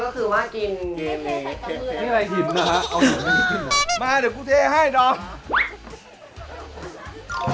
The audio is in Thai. คิดว่าอ้าวส่วนลงชนก็คือว่ากินเค้เฟช์ไทยต้นที่อื่น